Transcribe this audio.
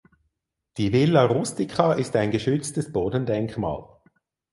Die Villa rustica ist ein geschütztes Bodendenkmal.